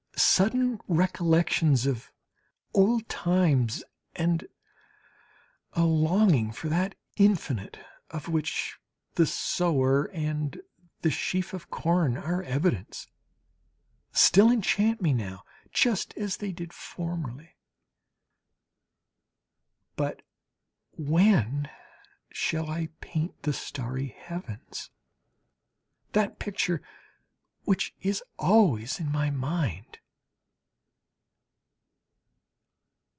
Sudden recollections of old times and a longing for that infinite of which the "Sower" and the "Sheaf of Corn" are evidence, still enchant me now, just as they did formerly. But when shall I paint the starry heavens? that picture which is always in my mind?